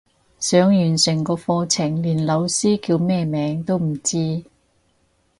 上完成個課程連老師叫咩名都唔知